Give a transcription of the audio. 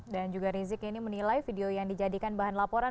dan juga rizik ini menilai video yang dijadikan bahan laporan